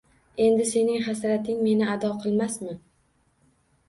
Endi sening hasrating Meni ado qilmasmi?